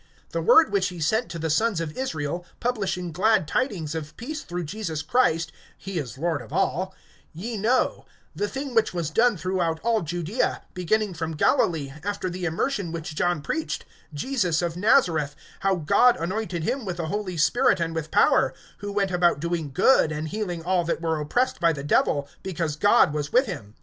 (36)The word which he sent to the sons of Israel, publishing glad tidings of peace through Jesus Christ (he is Lord of all), (37)ye know; the thing which was done throughout all Judaea, beginning from Galilee, after the immersion which John preached; Jesus of Nazareth, (38)how God anointed him with the Holy Spirit and with power; who went about doing good, and healing all that were oppressed by the Devil; because God was with him.